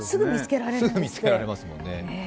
すぐ見つけられますもんね。